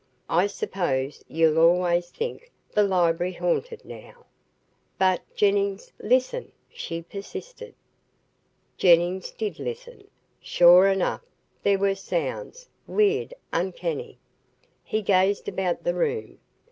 "I suppose you'll always think the library haunted, now." "But, Jennings, listen," she persisted. Jennings did listen. Sure enough, there were sounds, weird, uncanny. He gazed about the room.